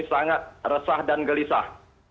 sangat resah dan gelisah